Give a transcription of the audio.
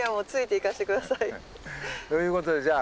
いやいやということでじゃあ